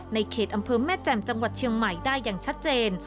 ในเขตอำเภอแม่แจ่มจังหวัดเชียงใหม่ได้อย่างชัดเจน